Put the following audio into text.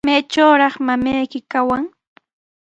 ¿Maytrawtaq mamayki kawan?